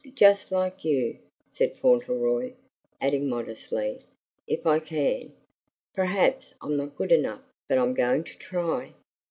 "JUST like you," said Fauntleroy, adding modestly, "if I can. Perhaps I'm not good enough, but I'm going to try."